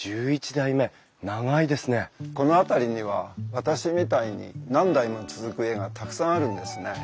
この辺りには私みたいに何代も続く家がたくさんあるんですね。